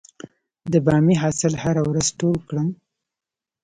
د بامیې حاصل هره ورځ ټول کړم؟